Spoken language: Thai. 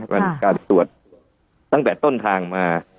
มันการตรวจตั้งแต่ต้นทางมา